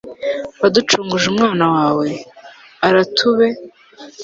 waducunguje umwana wawe, aratube